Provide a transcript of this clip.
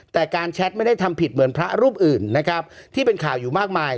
แต่การแชทไม่ได้ทำผิดเหมือนพระรูปอื่นนะครับที่เป็นข่าวอยู่มากมาย